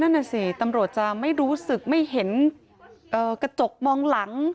นั่นน่ะสิตำรวจจะไม่รู้สึกไม่เห็นกระจกมองหลัง